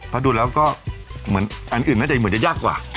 ถ้าดูแล้วก็อันอื่นน่าจะยากกว่า